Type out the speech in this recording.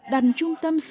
đàn trung tâm sự tự nhiên